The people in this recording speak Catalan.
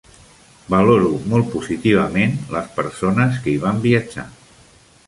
Valoro molt positivament les persones que hi van viatjar.